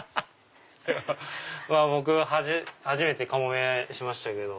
僕初めてカモメしましたけど。